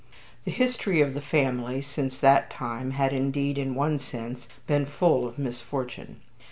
The history of the family since that time had indeed in one sense been full of misfortune.